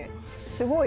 すごい。